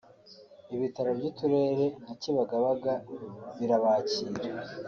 ibitaro by’uturere nka Kibagabaga birabakira